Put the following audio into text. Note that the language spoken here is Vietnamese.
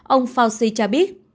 ông fauci cho biết